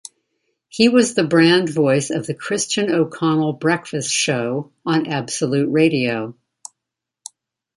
He was the brand voice of The Christian O'Connell Breakfast Show on Absolute Radio.